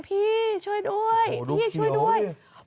พี่ช่วยด้วยพี่ช่วยด้วย